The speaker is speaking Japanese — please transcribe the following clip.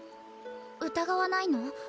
疑わないの？